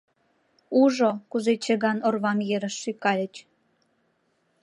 Ужо, кузе чыган орвам ерыш шӱкальыч.